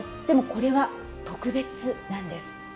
でもこれは特別なんです。